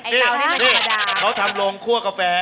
นี่นี่เขาทำโรงคั่วกาแฟ